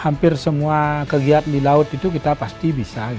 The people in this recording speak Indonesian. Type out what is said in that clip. hampir semua kegiatan di laut itu kita pasti bisa